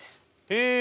へえ！